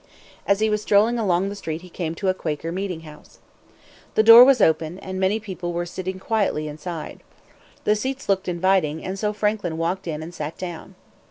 As he was strolling along the street he came to a Quaker meeting house. The door was open, and many people were sitting quietly inside. The seats looked inviting, and so Franklin walked in and sat down.